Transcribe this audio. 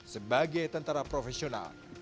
sebagai tentara profesional